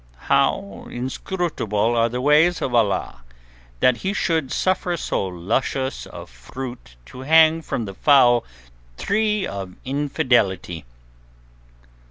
"How inscrutable are the ways of Allah, that He should suffer so luscious a fruit to hang from the foul tree of infidelity!"